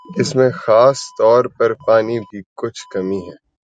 اس میں خاص طور پر پانی پر بھی کچھ کمی ہے